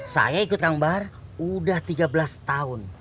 saya ikut kang bahar udah tiga belas tahun